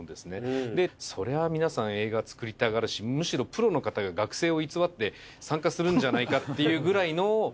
それは皆さん映画作りたがるしむしろプロの方が学生を偽って参加するんじゃないかっていうくらいの。